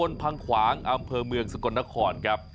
พังขวางอำเภอเมืองสกลนครครับ